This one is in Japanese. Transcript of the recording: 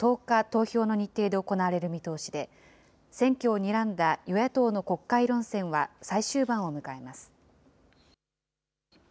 投票の日程で行われる見通しで、選挙をにらんだ与野党の国会論戦は、最終盤を迎えます。